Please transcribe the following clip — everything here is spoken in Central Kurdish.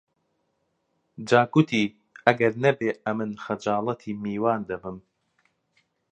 جا کوتی: ئەگەر نەبێ ئەمن خەجاڵەتی میوان دەبم